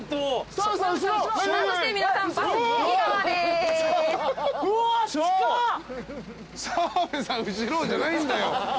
「澤部さん後ろ」じゃないんだよ。